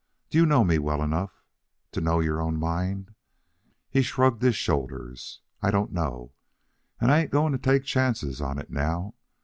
Do you know me well enough know your own mind?" He shrugged his shoulders. "I don't know, and I ain't going to take chances on it now.